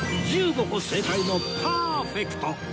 １５個正解のパーフェクト